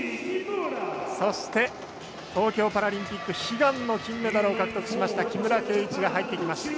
そして、東京パラリンピック悲願の金メダルを獲得しました木村敬一が入ってきました。